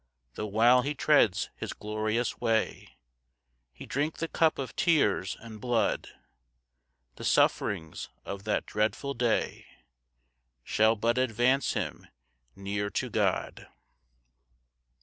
6 Tho' while he treads his glorious way, He drink the cup of tears and blood, The sufferings of that dreadful day Shall but advance him near to God.